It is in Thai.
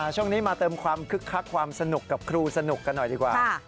ช่วงนี้มาเติมความคึกคักความสนุกกับครูสนุกกันหน่อยดีกว่า